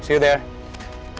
jumpa di sana